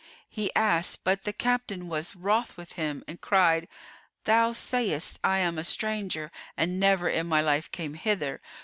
'" He asked but the captain was wroth with him and cried, "Thou sayest, 'I am a stranger and never in my life came hither.